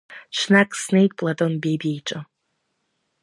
Ҽнак снеит Платон Бебиа иҿы.